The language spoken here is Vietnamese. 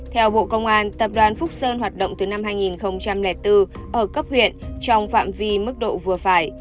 theo bộ công an tập đoàn phúc sơn hoạt động từ năm hai nghìn bốn ở cấp huyện trong phạm vi mức độ vừa phải